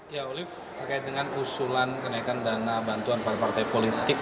ya olive terkait dengan usulan kenaikan dana bantuan partai politik